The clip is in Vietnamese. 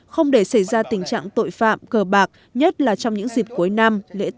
không để xảy ra tình trạng tội phạm cờ bạc nhất là trong những dịp cuối năm lễ tết